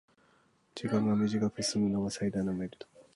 時間が短くすむのが最大のメリット